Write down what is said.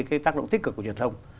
cái tác động tích cực của truyền thông